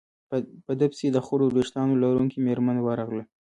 په ده پسې د خړو ورېښتانو لرونکې مېرمن ورغله.